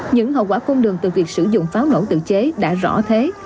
những hậu quả khôn đường từ việc sử dụng pháo nổ tự chế đã rõ thế